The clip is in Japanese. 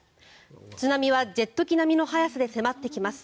津波はジェット機並みの速さで迫ってきます。